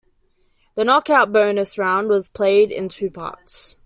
The Knockout bonus round was played in two parts.